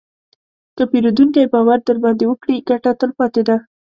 که پیرودونکی باور درباندې وکړي، ګټه تلپاتې ده.